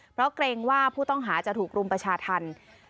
เพราะเกรงว่าผู้ต้องหาจะถูกรุมประชาธรรม